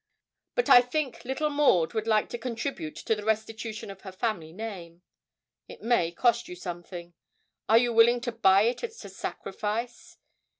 But I think little Maud would like to contribute to the restitution of her family name. It may cost you something are you willing to buy it at a sacrifice?